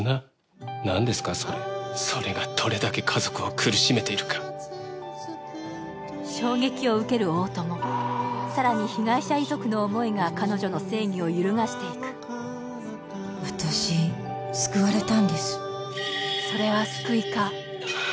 何ですかそれそれがどれだけ家族を苦しめているか衝撃を受ける大友さらに被害者遺族の思いが彼女の正義を揺るがしていく私救われたんです